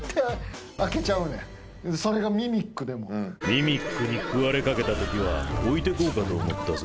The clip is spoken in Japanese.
ミミックに食われかけた時は置いてこうかと思ったぞ。